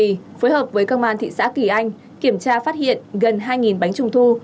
trì phối hợp với công an thị xã kỳ anh kiểm tra phát hiện gần hai bánh trung thu